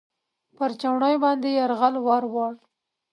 پر چوڼۍ باندې یرغل ورووړ.